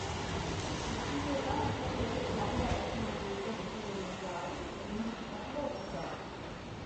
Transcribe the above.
Istiluetan agenteek lagun bat atxilotu dute desobedientziagatik eta identifikazioa ukatzeagatik.